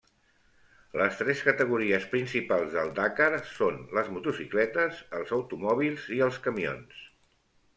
Les tres categories principals del Dakar són les motocicletes, els automòbils i els camions.